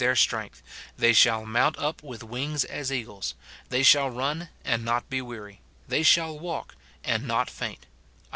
25* 294 MORTIFICATION OF strength ; they shall mount up with wings as eagles ; they shall run, and not be weaxy ; they shall walk, and not faint,' Isa.